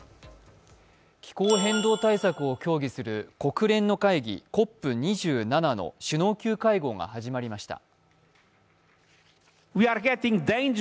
気候変動対策を協議する国連の会議、ＣＯＰ２７の首脳級会合が始まりました。